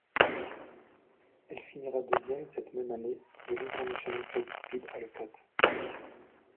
Elle finira deuxième cette même année de l'International Kite Speed à Leucate.